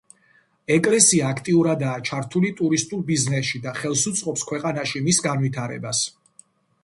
ეკლესია აქტიურადაა ჩართული ტურისტულ ბიზნესში და ხელს უწყობს ქვეყანაში მის განვითარებას.